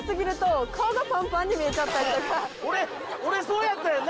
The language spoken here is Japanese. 俺そうやったんやな！